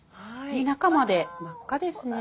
中まで真っ赤ですね。